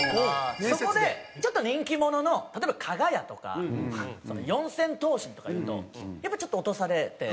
そこでちょっと人気者の例えばかが屋とか四千頭身とか言うとやっぱりちょっと落とされて。